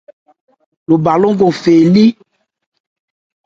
Lobha fɔ́n cɔn phɛ́ lí.